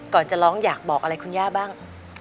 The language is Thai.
จะร้องอยากบอกอะไรคุณย่าบ้าง